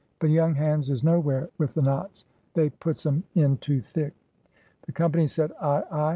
But young hands is nowhere with the knots. They puts 'em in too thick." The company said, "Ay, ay!"